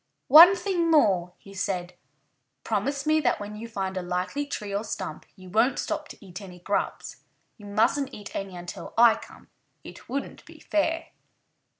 "One thing more!" he said. "Promise me that when you find a likely tree or stump you won't stop to eat any grubs. You mustn't eat any until I come. It wouldn't be fair."